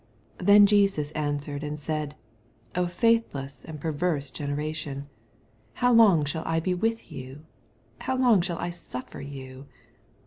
17 Then Jesus answered and said, faithless and perverse generation, how long shall I be with you ? how long shul I suft'er you